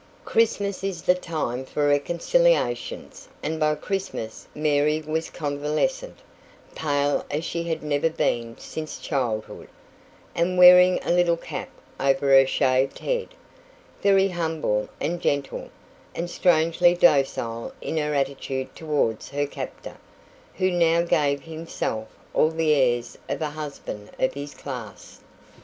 Christmas is the time for reconciliations, and by Christmas Mary was convalescent pale as she had never been since childhood, and wearing a little cap over her shaved head; very humble and gentle, and strangely docile in her attitude towards her captor, who now gave himself all the airs of a husband of his class.